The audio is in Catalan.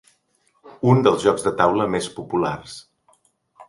Un dels jocs de taula més populars.